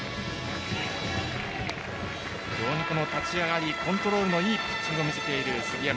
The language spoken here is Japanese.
非常に立ち上がりコントロールのいいピッチングを見せている杉山。